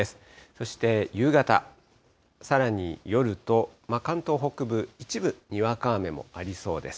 そして夕方、さらに夜と、関東北部、一部にわか雨もありそうです。